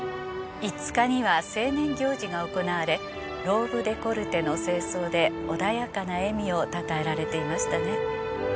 ５日には成年行事が行われローブデコルテの正装で穏やかな笑みをたたえられていましたね。